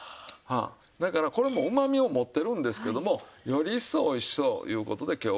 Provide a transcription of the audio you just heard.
だからこれもうまみを持ってるんですけどもより一層おいしそういう事で今日は三杯酢で合わせる。